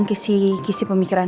biar saya biarkan